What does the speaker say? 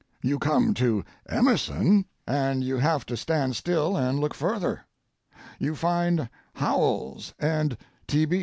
You come to Emerson, and you have to stand still and look further. You find Howells and T. B.